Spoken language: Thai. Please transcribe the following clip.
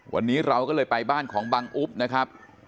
วันนี้เราก็เลยไปบ้านของบังอุ๊บนะครับ